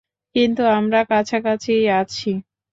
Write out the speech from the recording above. কিন্তু আমরা কাছাকাছিই আছি।